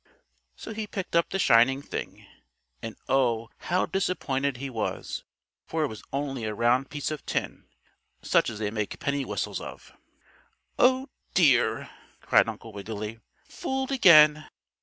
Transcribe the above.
So he picked up the shining thing, and oh! how disappointed he was, for it was only a round piece of tin, such as they make penny whistles of. "Oh, dear!" cried Uncle Wiggily. "Fooled again!